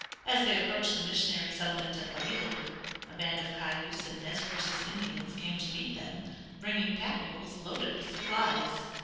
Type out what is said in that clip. As they approached the missionary settlement at Wai i lat pui a band of Cayuse and Nez Percés Indians came to meet them, bringing pack mules loaded with supplies.